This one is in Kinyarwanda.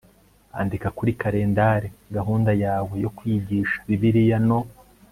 andika kuri kalendari gahunda yawe yo kwiyigisha bibiliya no